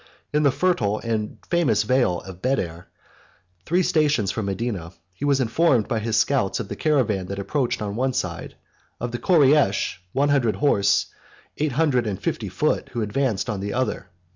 128 In the fertile and famous vale of Beder, 129 three stations from Medina, he was informed by his scouts of the caravan that approached on one side; of the Koreish, one hundred horse, eight hundred and fifty foot, who advanced on the other.